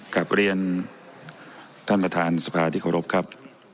กลับเรียนท่านประธานสภาที่เคารพครับ